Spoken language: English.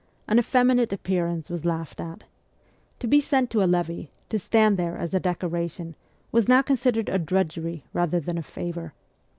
An effeminate appearance was laughed at. To be sent to a levee, to stand there as a decoration, was now considered a drudgery rather than a favour.